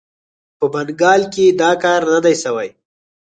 په بنګال کې دا کار نه دی سوی.